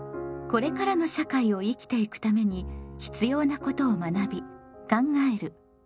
これからの社会を生きていくために必要なことを学び考える「公共」。